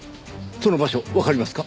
その場所わかりますか？